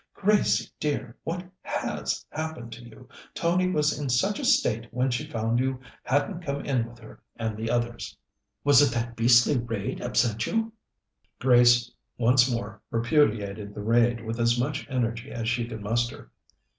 "Gracie dear, what has happened to you? Tony was in such a state when she found you hadn't come in with her and the others." "Was it that beastly raid upset you?" Grace once more repudiated the raid with as much energy as she could muster.